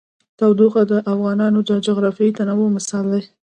تودوخه د افغانستان د جغرافیوي تنوع مثال دی.